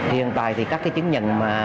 hiện tại thì các cái chứng nhận